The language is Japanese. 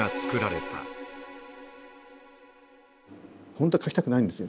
本当は書きたくないんですよ